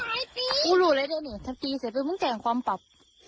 ตายปีที่ผู้หลุดแสดงความปลอบ